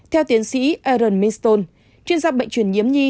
theo tiến sĩ aaron minstone chuyên gia bệnh truyền nhiễm nhi